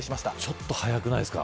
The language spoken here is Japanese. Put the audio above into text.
ちょっと早くないですか。